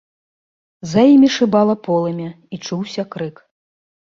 За імі шыбала полымя і чуўся крык.